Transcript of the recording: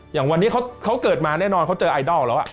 อย่างวันนี้เขาเกิดมาแน่นอนเขาเจอไอดอลแล้ว